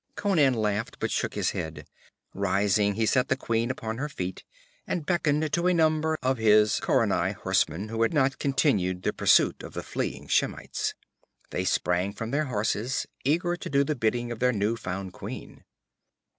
Conan laughed, but shook his head. Rising, he set the queen upon her feet, and beckoned to a number of his Khaurani horsemen who had not continued the pursuit of the fleeing Shemites. They sprang from their horses, eager to do the bidding of their new found queen.